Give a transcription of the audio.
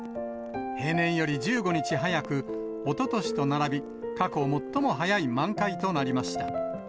平年より１５日早く、おととしと並び、過去最も早い満開となりました。